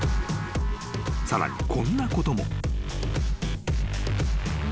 ［さらにこんなことも］